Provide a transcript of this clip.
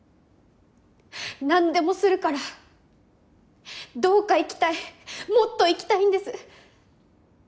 何でもするからどうか生きたいもっと生きたいんです。